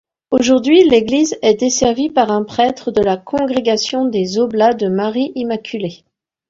Aujourd'hui l'église est desservie par un prêtre de la congrégation des oblats de Marie-Immaculée.